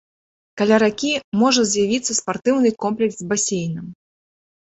Каля ракі можа з'явіцца спартыўны комплекс з басейнам.